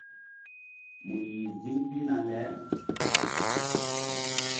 Mu yih ziŋ pihna le.